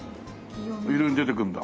色々出てくるんだ。